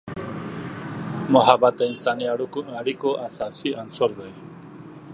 محبت د انسانی اړیکو اساسي عنصر دی.